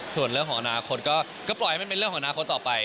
ส่วนเรื่องของอนาคตก็ปล่อยให้มันเป็นเรื่องของอนาคตต่อไป